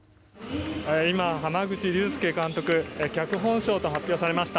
濱口竜介監督が脚本賞と発表されました。